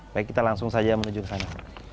baik kita langsung saja menuju ke sana